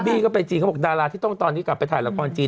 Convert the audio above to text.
ก็ไปจีนเขาบอกดาราที่ต้องตอนนี้กลับไปถ่ายละครจีน